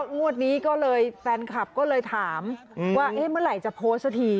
งวดนี้แฟนคลับก็เลยถามเมื่อไรจะโพสต์สักที